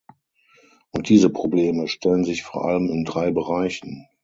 Und diese Probleme stellen sich vor allem in drei Bereichen.